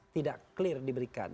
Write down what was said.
tidak clear diberikan